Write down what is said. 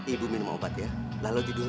ibu minum obat ya lalu tidur